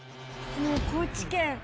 もう高知県で。